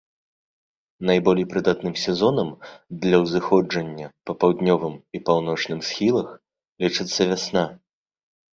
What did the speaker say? Найболей прыдатным сезонам для ўзыходжання па паўднёвым і паўночным схілах лічыцца вясна.